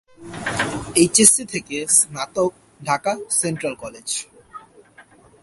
HSC থেকে স্নাতক Dhaka central কলেজে।